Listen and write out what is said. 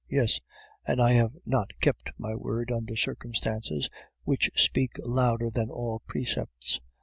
Yes, and I have not kept my word under circumstances which speak louder than all precepts.